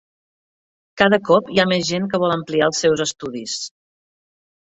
Cada cop hi ha més gent que vol ampliar els seus estudis.